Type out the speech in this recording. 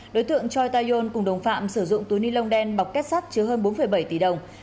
đối tượng choi tae yol cùng đồng phạm sử dụng túi ni lông đen bọc kết sát chứa hơn bốn bảy tỷ đồng